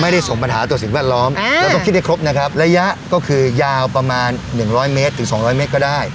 ส่งปัญหาต่อสิ่งแวดล้อมเราต้องคิดให้ครบนะครับระยะก็คือยาวประมาณ๑๐๐เมตรถึงสองร้อยเมตรก็ได้